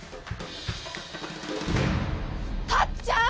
タッちゃん